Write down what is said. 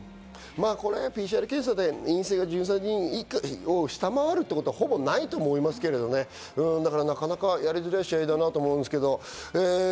ＰＣＲ検査で陰性が１３人を下回るということは、ほぼないと思いますけどね、なかなかやりづらい試合だと思いますけど。